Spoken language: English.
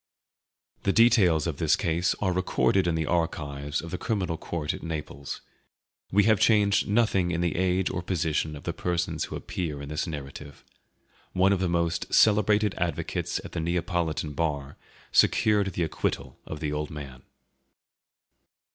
[The details of this case are recorded in the archives of the Criminal Court at Naples. We have changed nothing in the age or position of the persons who appear in this narrative. One of the most celebrated advocates at the Neapolitan bar secured the acquittal of the old man.